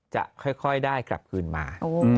จะค่อยได้กลับคืนมา